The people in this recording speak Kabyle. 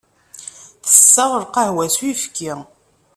Tesseɣ lqahwa s uyefki.